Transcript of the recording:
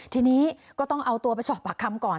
ทีนี้ก็ต้องเอาตัวไปสอบปากคำก่อน